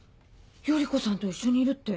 依子さんと一緒にいるって。